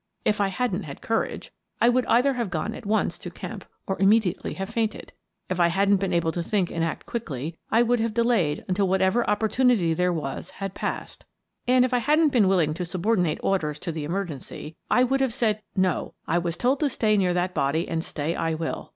If I hadn't had courage, I would either have gone at once to Kemp or immediately have fainted. If I hadn't been able to think and act quickly, I would have delayed until whatever opportunity there was had passed. And if I hadn't been willing to sub ordinate orders to the emergency, I would have said :" No, I was told to stay near that body and stay I will."